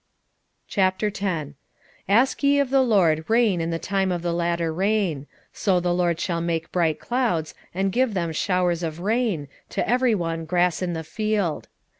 10:1 Ask ye of the LORD rain in the time of the latter rain; so the LORD shall make bright clouds, and give them showers of rain, to every one grass in the field.